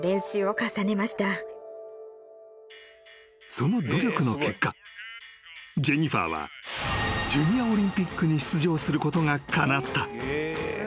［その努力の結果ジェニファーはジュニアオリンピックに出場することがかなった］